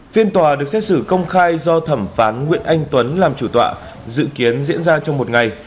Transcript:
phiên tòa được xét xử công khai do thẩm phán nguyễn anh tuấn làm chủ tọa dự kiến diễn ra trong một ngày